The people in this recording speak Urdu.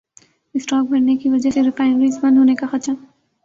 اسٹاک بڑھنے کی وجہ سے ریفائنریز بند ہونے کا خدشہ